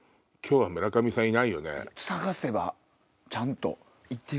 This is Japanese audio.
探せばちゃんといてる。